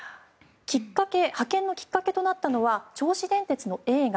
派遣のきっかけとなったのは銚子電鉄の映画